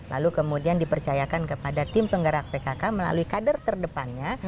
lalu kemudian dipercayakan kepada tim penggerak pkk melalui kader terdepannya